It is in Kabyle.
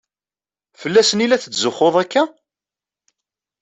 Fell-asen i la tetzuxxuḍ akka?